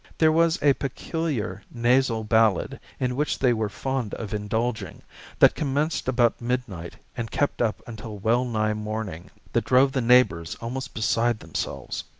There was a peculiar nasal ballad in which they were fond of indulging, that commenced about midnight and kept up until well nigh morning, that drove the neighbors almost beside themselves.